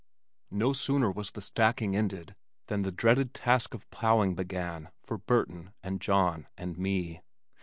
No sooner was the stacking ended than the dreaded task of plowing began for Burton and John and me.